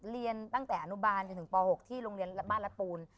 เรียนตั้งแต่อนุบาลถึงป๖ที่บ้านละปูน